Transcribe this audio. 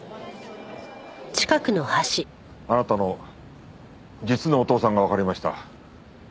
あなたの実のお父さんがわかりました。